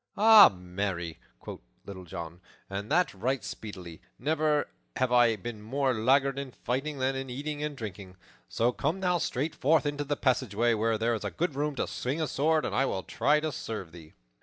"Ay, marry," quoth Little John, "and that right speedily. Never have I been more laggard in fighting than in eating and drinking. So come thou straight forth into the passageway, where there is good room to swing a sword, and I will try to serve thee."